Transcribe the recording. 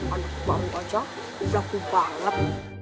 anak baru aja laku banget